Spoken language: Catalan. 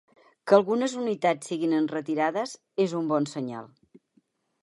Que algunes unitats siguin enretirades, és un bon senyal.